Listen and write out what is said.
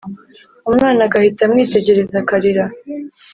umwana agahita amwitegereza akarira